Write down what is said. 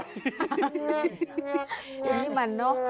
ยังไม่มันเนอะ